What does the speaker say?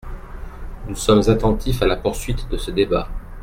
Nous sommes attentifs à la poursuite de ce débat.